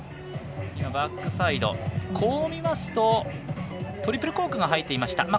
バックサイド、見ますとトリプルコークが入っていました。